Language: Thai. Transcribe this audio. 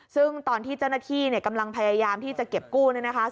ซึ่งตอนที่เจ้าหน้าที่กำลังพยายามที่จะเก็บกู้เนี่ยนะคะ